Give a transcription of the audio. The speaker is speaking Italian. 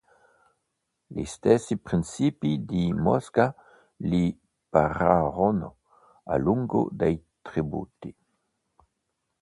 Gli stessi prìncipi di Mosca gli pagarono a lungo dei tributi.